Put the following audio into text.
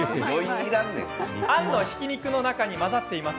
あんのひき肉の中に混ざっています。